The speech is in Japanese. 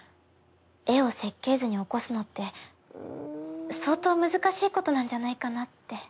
絵を設計図に起こすのって相当難しいことなんじゃないかなって。